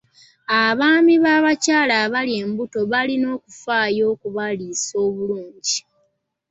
Abaami b'abakyala abali embuto balina okufaayo okubaliisa obulungi.